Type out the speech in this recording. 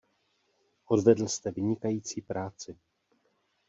Odvedl jste vynikající práci.